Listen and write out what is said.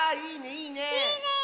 いいねえ！